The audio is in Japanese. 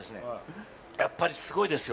やっぱりすごいですよ。